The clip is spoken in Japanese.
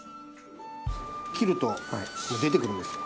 切ると出てくるんですよ。